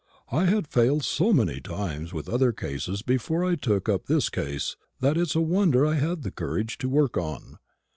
I had failed so many times with other cases before I took up this case, that it's a wonder I had the courage to work on.